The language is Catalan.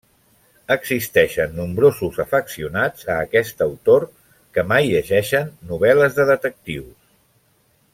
Existeixen nombrosos afeccionats a aquest autor que mai llegeixen novel·les de detectius.